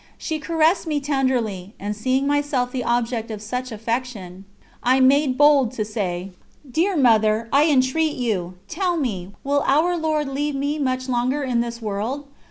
She caressed me tenderly, and seeing myself the object of such affection, I made bold to say: "Dear Mother, I entreat you, tell me, will Our Lord leave me much longer in this world?